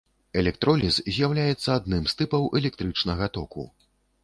Электроліз з'яўляецца адным з тыпаў электрычнага току.